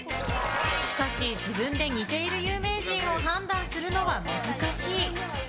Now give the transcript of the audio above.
しかし、自分で似ている有名人を判断するのは難しい。